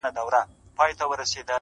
لوړ لید د واټنونو محدودیت کموي,